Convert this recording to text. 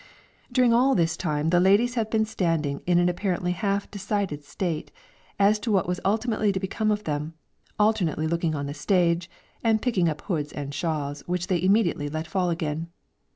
During all this time the ladies have been standing in an apparently half decided state, as to what was ultimately to become of them, alternately looking on the stage and picking up hoods and shawls which they immediately let fall again.